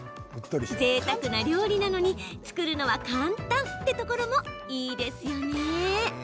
ぜいたくな料理なのに作るのは簡単ってところもいいですよね。